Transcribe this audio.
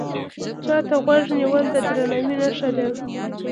چا ته غوږ نیول د درناوي نښه ده